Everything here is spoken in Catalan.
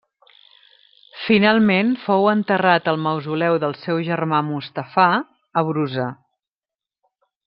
Finalment fou enterrat al mausoleu del seu germà Mustafà a Brusa.